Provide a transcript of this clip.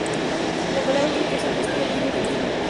La palabra "turquesa"' es muy antigua y de origen indeterminado.